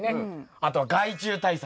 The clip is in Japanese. あとは害虫対策。